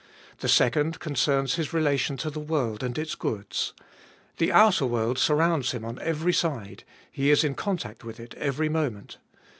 The second concerns his relation to the world and its goods. The outer world surrounds him on every side, he is in contact with it every moment.